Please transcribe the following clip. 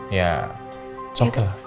ya sopil lah